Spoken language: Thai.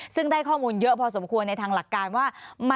ซึ่งได้ข้อมูลเยอะพอสมควรในทางหลักการว่า